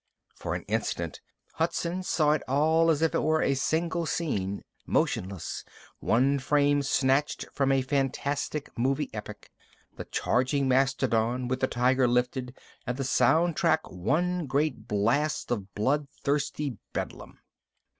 For an instant, Hudson saw it all as if it were a single scene, motionless, one frame snatched from a fantastic movie epic the charging mastodon, with the tiger lifted and the sound track one great blast of bloodthirsty bedlam.